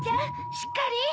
しっかり！